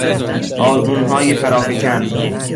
آزمونهای فرافکن